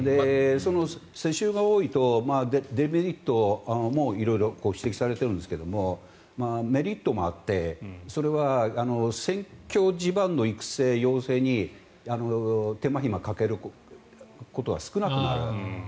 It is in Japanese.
世襲が多いとデメリットも色々指摘されているんですがメリットもあってそれは選挙地盤の育成、養成に手間ひまをかけることが少なくなるわけです。